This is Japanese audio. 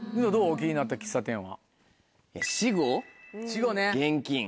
気になった喫茶店は。